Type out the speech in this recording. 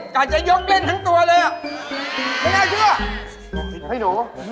กระกัด